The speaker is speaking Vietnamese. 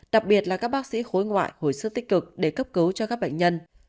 đặc biệt là các bác sĩ khối ngoại hồi sức tích cực để cấp cứu cho các bệnh nhân